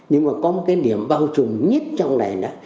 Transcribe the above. nhưng mà có một cái điểm bao trùm nhất trong này đó